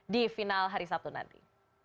di final hari sabtu nanti